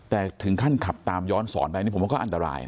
แต่ถึงขั้นขับตามย้อนสอนไปนี่ผมว่าก็อันตรายนะ